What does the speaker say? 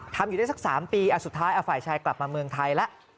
ทำอยู่ได้สัก๓ปีสุดท้ายฝ่ายชายกลับมาเมืองไทยแล้ว